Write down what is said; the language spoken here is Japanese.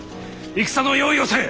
戦の用意をせい！